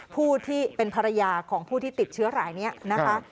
ผู้ที่เป็นภรรยาของผู้ที่ติดเชื้อรายนี้นะคะ